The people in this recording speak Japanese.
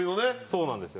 そうなんですよ。